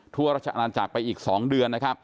ทั่วราชอาลัยจากไปอีก๒เดือน